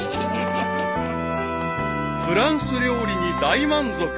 ［フランス料理に大満足］